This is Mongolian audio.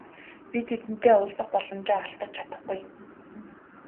Би тэдэнтэй уулзах боломжоо алдаж чадахгүй.